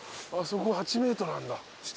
あそこ８ｍあるんだ。